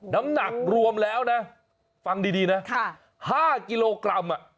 น้ำหนักรวมแล้วนะฟังดีนะ๕กิโลกรัม